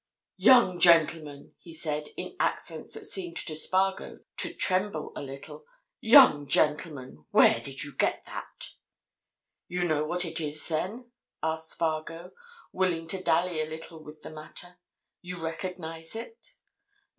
"Young gentleman!" he said, in accents that seemed to Spargo to tremble a little, "young gentleman, where did you get that?" "You know what it is, then?" asked Spargo, willing to dally a little with the matter. "You recognize it?"